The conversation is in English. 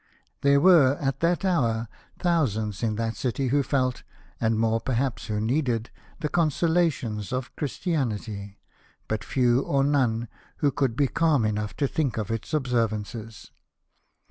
There were, at that hour, thousands in that city Avho felt, and more per haps who needed, the consolations of Christianity, but few or none who could be calm enough to think of its observances.